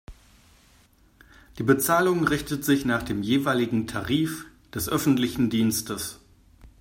Die Bezahlung richtet sich nach dem jeweiligen Tarif des öffentlichen Dienstes.